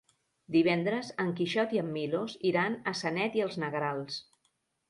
Divendres en Quixot i en Milos iran a Sanet i els Negrals.